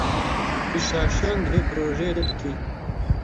Tu şaşiyan di vê projeyê de dikî.